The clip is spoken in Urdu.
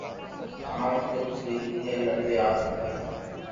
آنکھ جو کچھ دیکھتی ہے لب پہ آ سکتا نہیں